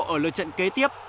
ở lần trận kế tiếp